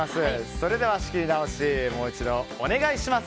それでは仕切り直しもう一度お願いします。